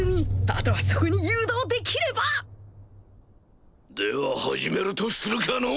あとはそこに誘導できればでは始めるとするかの。